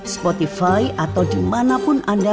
spotify atau dimanapun anda